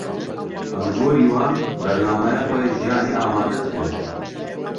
Em li gorî wan, bernameya xwe ya jiyanê amade dikin.